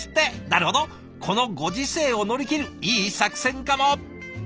なるほどこのご時世を乗り切るいい作戦かも。